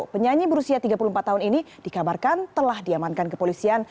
penyanyi berusia tiga puluh empat tahun ini dikabarkan telah diamankan kepolisian